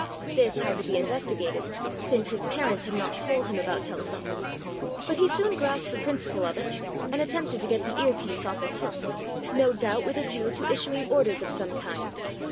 This had to be invest igated, since his parents had not told him about telephones, but he soon grasped the principle of it, and attempted to get the ear piece off its hook, no doubt with a view to issuing orders of some kind.